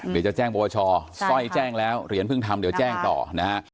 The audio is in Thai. เดี๋ยวจะแจ้งปวชอสร้อยแจ้งแล้วเหรียญเพิ่งทำเดี๋ยวแจ้งต่อนะฮะ